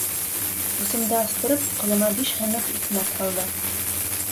-Усымды астырып, ҡулыма биш һыныҡ икмәк һалды.